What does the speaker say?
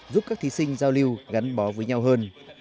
giúp các thí sinh giao lưu gắn bó với nhau hơn